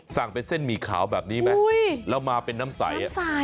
สั่งเป็นเส้นหมี่ขาวแบบนี้ไหมแล้วมาเป็นน้ำใส